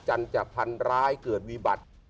คุณหลงลักเขาเลยหรือเปล่า